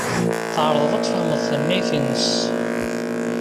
Tɛerḍed ad tfehmed tannayt-nnes?